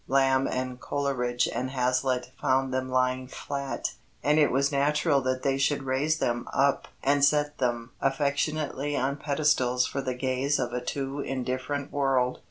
Lamb and Coleridge and Hazlitt found them lying flat, and it was natural that they should raise them up and set them affectionately on pedestals for the gaze of a too indifferent world.